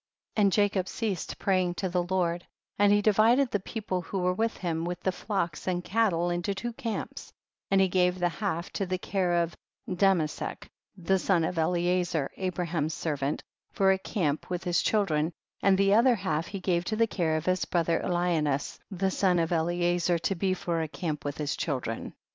24. And Jacob ceased praying to the Lord, and he divided the people that were with him with the flocks and cattle into two camps, and he gave the half to the care of Damesek, the son of Eliezer Abraham's ser vant, for a camp, with his children, and the other half he gave to the care of his brother Eliaims the son of Eliezer, to be for a camp with his children.